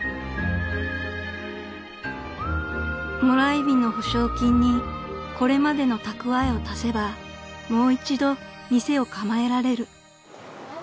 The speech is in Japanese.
［もらい火の補償金にこれまでの蓄えを足せばもう一度店を構えられる］